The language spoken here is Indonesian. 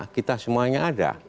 kita semuanya ada